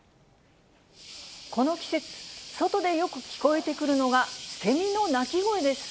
この季節、外でよく聞こえてくるのが、セミの鳴き声です。